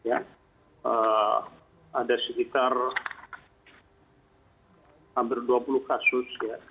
ada sekitar hampir dua puluh kasus